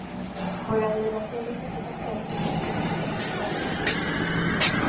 Juega de delantero y su equipo actual es el Western Sydney Wanderers.